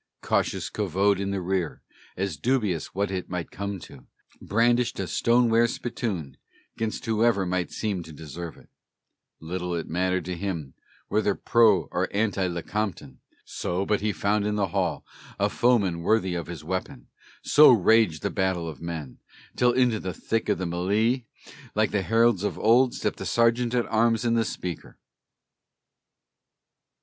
Cautious Covode in the rear, as dubious what it might come to, Brandished a stone ware spittoon 'gainst whoever might seem to deserve it, Little it mattered to him whether Pro or Anti Lecompton, So but he found in the Hall a foeman worthy his weapon! So raged the battle of men, till into the thick of the mêlée, Like to the heralds of old, stepped the Sergeant at Arms and the Speaker.